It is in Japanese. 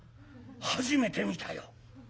初めて見たよ。